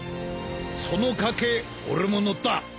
その賭け俺も乗った。